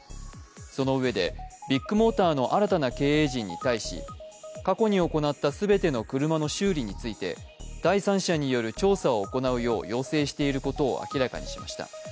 そのうえで、ビッグモーターの新たな経営陣に対し、過去に行った全ての車の修理について第三者による調査を行うよう要請していることを明らかにしました。